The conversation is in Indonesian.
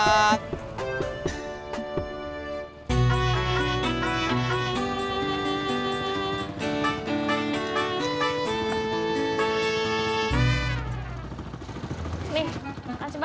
jadi dia ngelakuin kerja bro